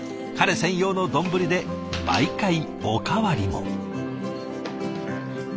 彼専用の丼で毎回おかわりも。